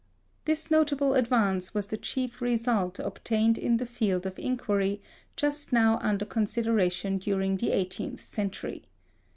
This notable advance was the chief result obtained in the field of inquiry just now under consideration during the eighteenth century.